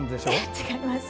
違います。